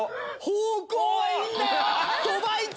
方向はいいんだよ！